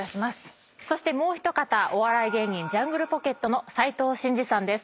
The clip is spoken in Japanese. もう一方お笑い芸人ジャングルポケットの斉藤慎二さんです。